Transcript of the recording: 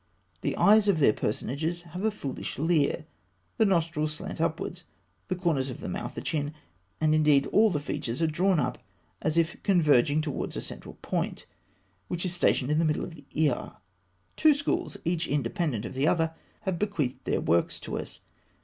The eyes of their personages have a foolish leer; the nostrils slant upwards; the corners of the mouth, the chin, and indeed all the features, are drawn up as if converging towards a central point, which is stationed in the middle of the ear. Two schools, each independent of the other, have bequeathed their works to us.